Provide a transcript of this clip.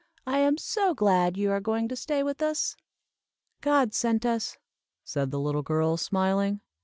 I am so glad you are going to stay with us." "God sent us," said the little girl, smiling.